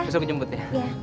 besok kejemput ya